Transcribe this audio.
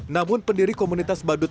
namun pendiri komunitas badut